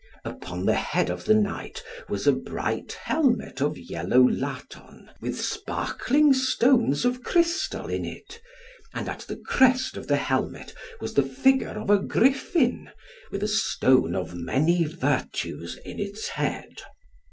Upon the head of the knight was a bright helmet of yellow laton, with sparkling stones of crystal in it, and at the crest of the helmet was the figure of a griffin, with a stone of many virtues in its head.